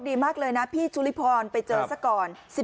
ดีมากเลยนะพี่ชุลิพรไปเจอซะก่อน